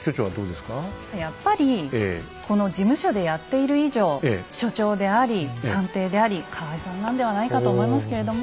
やっぱりこの事務所でやっている以上所長であり探偵であり河合さんなんではないかと思いますけれども。